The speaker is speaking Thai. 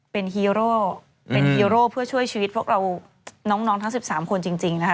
เป็นฮีโร่เป็นฮีโร่เพื่อช่วยชีวิตพวกเราน้องทั้ง๑๓คนจริงนะคะ